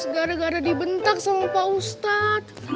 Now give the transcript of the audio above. gara gara dibentak sama pak ustadz